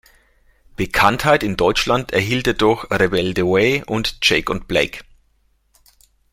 Bekanntheit in Deutschland erhielt er durch Rebelde Way und Jake&Blake.